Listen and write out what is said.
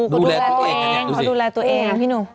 เขาดูแลตัวเองพี่หนุม